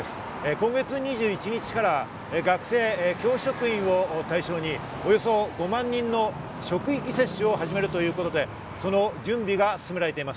今月２１日から学生、教職員を対象におよそ５万人の職域接種を始めるということです。